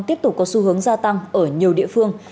tiếp tục có xu hướng gia tăng ở nhiều địa phương